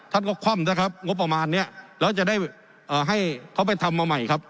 ท่านก็คว่ำนะครับงบประมาณเนี้ยแล้วจะได้ให้เขาไปทำมาใหม่ครับ